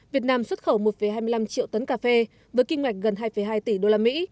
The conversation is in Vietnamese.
việt nam xuất khẩu một hai mươi năm triệu tấn cà phê với kinh ngạch gần hai hai tỷ usd